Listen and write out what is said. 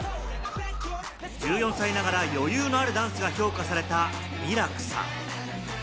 １４歳ながら余裕のあるダンスが評価されたミラクさん。